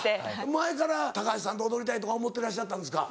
前から高橋さんと踊りたいとか思ってらっしゃったんですか？